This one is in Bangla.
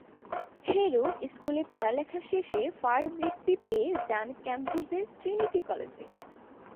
হ্যারো স্কুলে পড়ালেখা শেষে ফার বৃত্তি পেয়ে যান কেমব্রিজের ট্রিনিটি কলেজে।